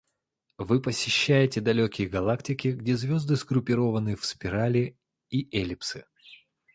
Вы посещаете далекие галактики, где звезды сгруппированы в спирали и эллипсы.